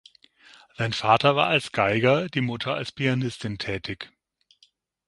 Sein Vater war als Geiger, die Mutter als Pianistin tätig.